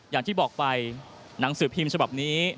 อย่างที่บอกไปหนังสือพิมพ์ฉบับนี้